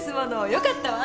よかったわ。